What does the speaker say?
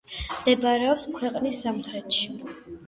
მდებარეობს ქვეყნის სამხრეთში.